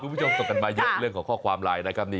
คุณผู้ชมส่งกันมาเยอะเรื่องของข้อความไลน์นะครับ